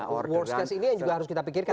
our worst case ini yang juga harus kita pikirkan